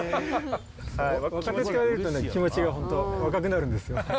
若手というとね、気持ちが本当若くなるんですよ。